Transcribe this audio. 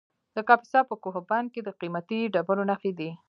د کاپیسا په کوه بند کې د قیمتي ډبرو نښې دي.